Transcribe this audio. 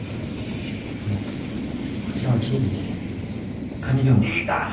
あのこちらは警備でして管理業務は。